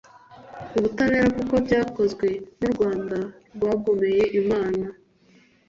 ubutabera, kuko ibyakozwe ni urwanda rwagomeye imana